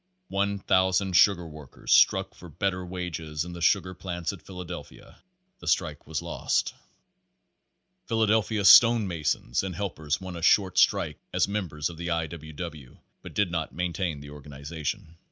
One thousand sugar workers struck for better wages in the sugar plants at Philadelphia. The strike was lost. Philadelphia stone masons and helpers won a short strike as members of the I. W. W., but did not main tain the organization.